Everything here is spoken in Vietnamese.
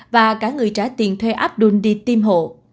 và cả người trả tiền thuê abdul đi tiêm hộ